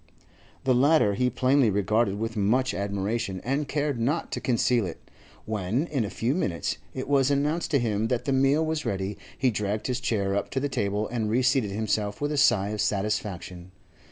The latter he plainly regarded with much admiration, and cared not to conceal it. When, in a few minutes, it was announced to him that the meal was ready, he dragged his chair up to the table and reseated himself with a sigh of satisfaction.